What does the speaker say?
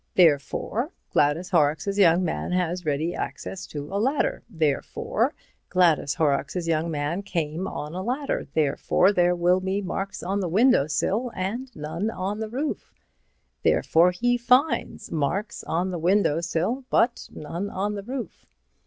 Therefore Gladys Horrocks's young man had ready access to a ladder. Therefore Gladys Horrocks's young man came on a ladder. Therefore there will be marks on the window sill and none on the roof. Therefore he finds marks on the window sill but none on the roof.